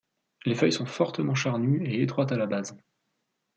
Les feuilles sont fortement charnues et étroites à la base.